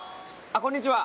あっこんにちは